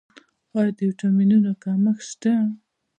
آیا د ویټامینونو کمښت شته؟